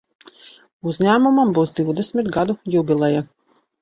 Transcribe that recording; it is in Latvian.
Uzņēmumam būs divdesmit gadu jubileja.